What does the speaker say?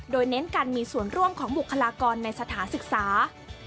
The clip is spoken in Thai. โดยเน้นการมีส่วนร่วมของบุคลากรในสถานศึกษา